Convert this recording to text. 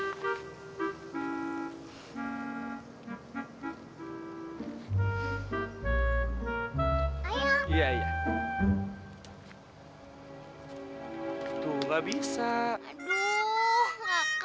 aduh kakak masa nggak bisa sih